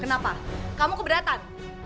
kenapa kamu keberatan